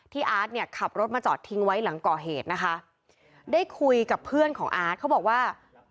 อาร์ตเนี่ยขับรถมาจอดทิ้งไว้หลังก่อเหตุนะคะได้คุยกับเพื่อนของอาร์ตเขาบอกว่า